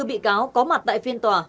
chín mươi bốn bị cáo có mặt tại phiên tòa